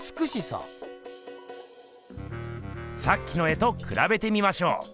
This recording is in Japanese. さっきの絵とくらべてみましょう。